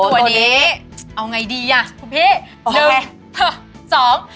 ตัวนี้เอาไงดีอ่ะพี่พี่